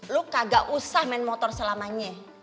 lu kagak usah main motor selamanya